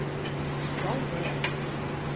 ЯЛБЫР